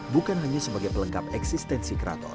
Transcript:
bukan hanya sebagai pelengkap eksistensi keraton